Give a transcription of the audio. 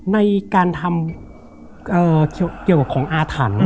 ในการทำเกี่ยวกับของอาถรรพ์